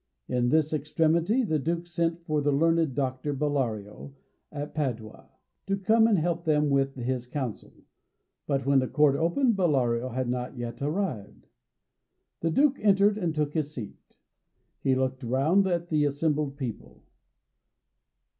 In this extremity the Duke sent for the learned doctor, Bellario, at Padua, to come and help them with his counsel, but when the Court opened Bellario had not yet arrived. The Duke entered and took his seat. He looked round at the assembled people.